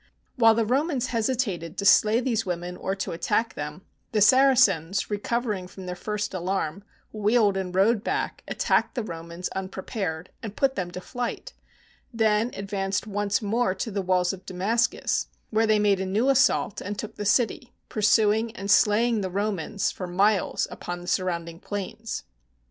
While the Romans hesitated to slay these women, or to attack them, the Saracens, recovering from their first alarm, wheeled and rode back, attacked the Romans, unprepared, and put them to flight, then advanced once more to the walls of Damascus, where they made a new assault and took the city, pursuing and slaying the Romans for miles upon the surrounding plains.